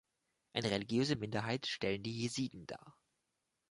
Eine religiöse Minderheit stellen die Jesiden dar.